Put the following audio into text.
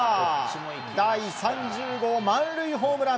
第３０号満塁ホームラン。